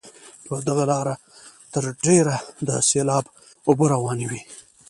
په دغه لاره تر ډېره د سیلاب اوبه روانې وي.